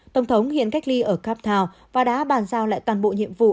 tổng thống hiện cách ly ở cape town và đã bàn giao lại toàn bộ nhiệm vụ